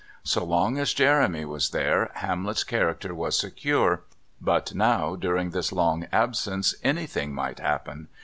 So long as Jeremy was there Hamlet's character was secure; but now, during this long absence, anything might happen.